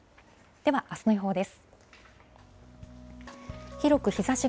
では、あすの予報です。